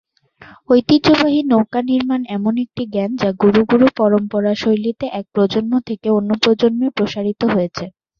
ঐতিহ্যবাহী নৌকা নির্মাণ এমন একটি জ্ঞান, যা ‘গুরু-গুরু পরম্পরা’ শৈলীতে এক প্রজন্ম থেকে অন্য প্রজন্মে প্রসারিত হয়েছে।